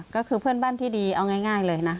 ก็คือเพื่อนบ้านที่ดีเอาง่ายเลยนะ